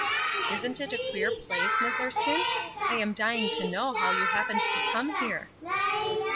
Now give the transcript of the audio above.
Isn't it a queer place, Miss Erskine? I am dying to know how you happened to come here."